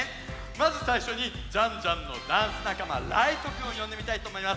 まずさいしょにジャンジャンのダンスなかまライトくんをよんでみたいとおもいます！